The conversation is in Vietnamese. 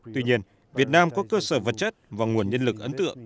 tuy nhiên việt nam có cơ sở vật chất và nguồn nhân lực ấn tượng